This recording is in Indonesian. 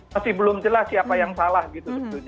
masih belum jelas siapa yang salah gitu sebetulnya